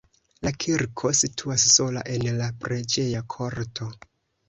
La kirko situas sola en la preĝeja korto.